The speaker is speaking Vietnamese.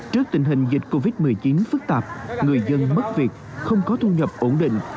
trước tình hình dịch covid một mươi chín phức tạp người dân mất việc không có thu nhập ổn định